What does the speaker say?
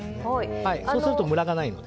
そうするとムラがないので。